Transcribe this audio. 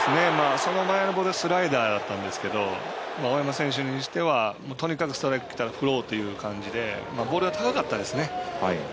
その前のボールスライダーだったんですけど大山選手はとにかくストライクにきたら振ろうという感じでボールが高かったですね。